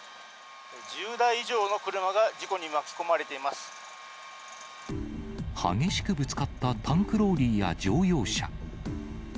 １０台以上の車が事故に巻き込ま激しくぶつかったタンクローリーや乗用車。